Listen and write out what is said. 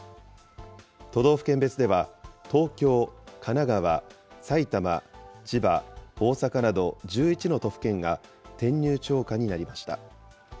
都道府県別では、東京、神奈川、埼玉、千葉、大阪など１１の都府県が転入超過になりました。